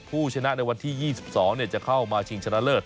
ผู้ชนะในวันที่๒๒จะเข้ามาชิงชนะเลิศ